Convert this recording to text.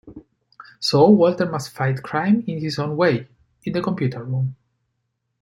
So Walter must fight crime in his own way - in the computer room.